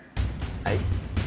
はい？